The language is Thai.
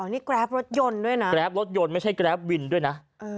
นี่แกรปรถยนต์ด้วยนะแกรปรถยนต์ไม่ใช่แกรปวินด้วยนะ